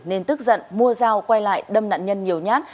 nên tức giận mua dao quay lại đâm nạn nhân nhiều nhát